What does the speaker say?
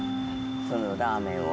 そのラーメンを。